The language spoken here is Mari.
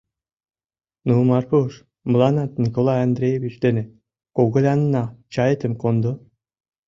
Ну, Марпуш, мыланнат, Николай Андреевич дене когылянна, чаетым кондо...